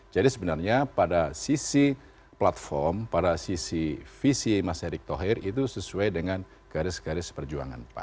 jadi sebenarnya pada sisi platform pada sisi visi mas erick thohir itu sesuai dengan garis garis perjuangan pan